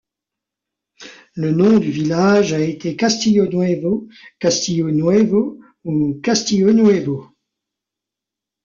Le nom du village a été Castillonuevo, Castillo Nuevo ou Castillo-Nuevo.